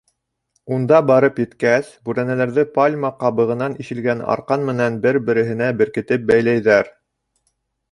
Унда барып еткәс, бүрәнәләрҙе пальма ҡабығынан ишелгән арҡан менән бер-береһенә беркетеп бәйләйҙәр.